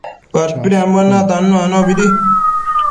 padpidembuen natannu anobidi